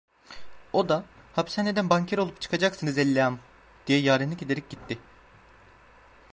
O da: 'Hapishaneden banker olup çıkacaksınız ellalem!' diye yarenlik ederek gitti.